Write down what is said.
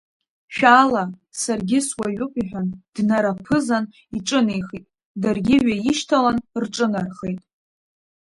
Шәаала саргьы суаҩуп иҳәан днараԥызан иҿынеихеит, даргьы ҩаишьҭалан рҿынархеит.